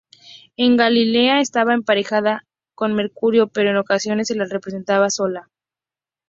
En Galia estaba emparejada con Mercurio, pero en ocasiones se la representaba sola.